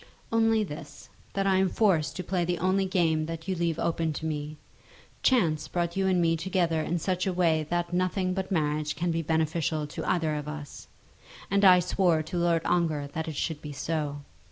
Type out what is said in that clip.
"Only this, that I am forced to play the only game that you leave open to me. Chance brought you and me together in such a way that nothing but marriage can be beneficial to either of us; and I swore to Lord Ongar that it should be so.